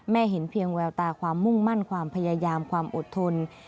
เห็นเพียงแววตาความมุ่งมั่นความพยายามความอดทน